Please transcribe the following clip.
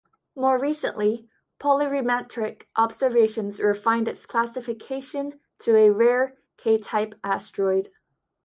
More recently, polarimetric observations refined its classification to a rare K-type asteroid.